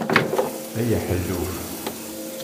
Ay aḥelluf!